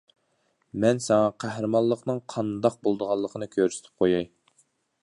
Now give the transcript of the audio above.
-مەن ساڭا قەھرىمانلىقنىڭ قانداق بولىدىغانلىقىنى كۆرسىتىپ قوياي.